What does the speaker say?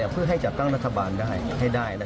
เพื่อให้จัดตั้งรัฐบาลได้